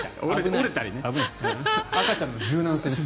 赤ちゃんの柔軟性。